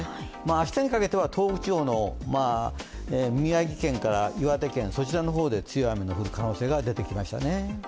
明日にかけては東北地方の宮城県から岩手県、そちらの方で強い雨が降る可能性が出てきましたね。